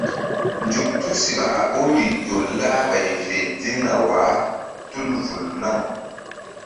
Nzuk tusiɓa a ɓoruri ƴo lah ɓay fe ziŋna wah tul vul nam.